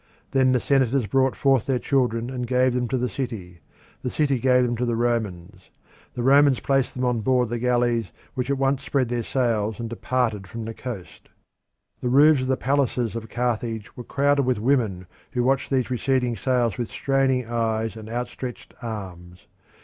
Then the senators brought forth their children and gave them to the city; the city gave them to the Romans; the Romans placed them on board the galleys, which at once spread their sails and departed from the coast. The roofs of the palaces of Carthage were crowded with women who watched these receding sails with straining eyes and outstretched arms.